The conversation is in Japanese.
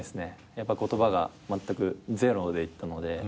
やっぱ言葉がまったくゼロで行ったので。